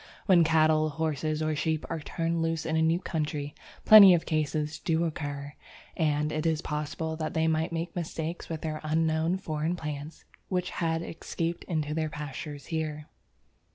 When cattle, horses, or sheep are turned loose in a new country, plenty of cases do occur, and it is possible that they might make mistakes with unknown foreign plants which had escaped into their pastures here.